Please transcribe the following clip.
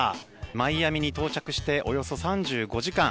マイアミに到着しておよそ３５時間。